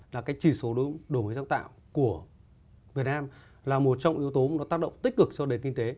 là cái chỉ số đổi mới sáng tạo của việt nam là một trong yếu tố mà nó tác động tích cực cho nền kinh tế